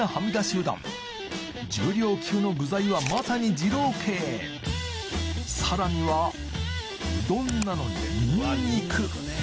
うどん重量級の具材はまさに二郎系さらにはうどんなのにニンニク！